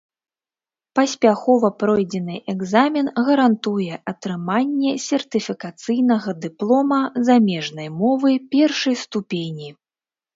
Паспяхова пройдзены экзамен гарантуе атрыманне сертыфікацыйнага дыплома замежнай мовы першай ступені.